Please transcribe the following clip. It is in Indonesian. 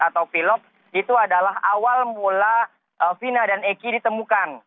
atau pilot itu adalah awal mula vina dan eki ditemukan